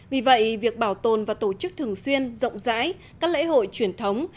vì vậy việc bảo tồn và tổ chức thường xuyên rộng rãi các lễ hội truyền thống